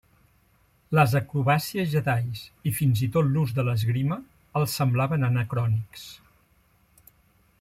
Les acrobàcies Jedis i fins i tot l'ús de l'esgrima els semblaven anacrònics.